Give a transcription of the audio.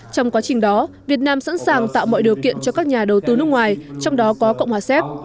trong quá trình đó việt nam sẵn sàng tạo mọi điều kiện cho các nhà đầu tư nước ngoài trong đó có cộng hòa séc